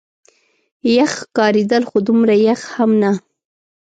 یخ ښکارېدل، خو دومره یخ هم نه.